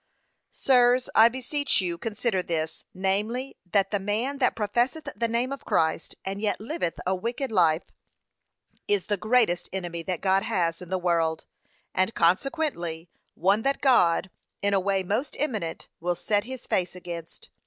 Sirs, I beseech you consider this, namely, that the man that professeth the name of Christ, and yet liveth a wicked life, is the greatest enemy that God has in the world, and, consequently, one that God, in a way most eminent, will set his face against.